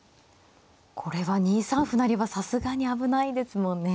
これは２三歩成はさすがに危ないですもんね。